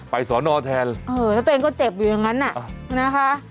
สอนอแทนเออแล้วตัวเองก็เจ็บอยู่อย่างนั้นนะคะ